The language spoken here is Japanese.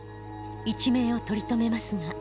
一命を取り留めますが。